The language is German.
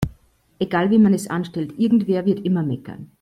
Egal wie man es anstellt, irgendwer wird immer meckern.